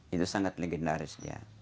itu sangat legendaris